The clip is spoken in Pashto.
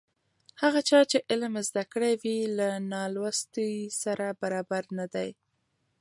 هغه چا چې علم زده کړی وي له نالوستي سره برابر نه دی.